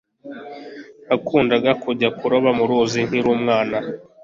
Nakundaga kujya kuroba mu ruzi nkiri umwana